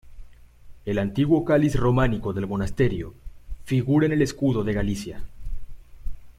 El antiguo cáliz románico del monasterio figura en el escudo de Galicia.